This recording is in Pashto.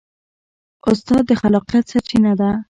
استاد د خلاقیت سرچینه ده.